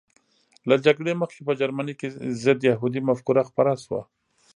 له جګړې مخکې په جرمني کې ضد یهودي مفکوره خپره شوه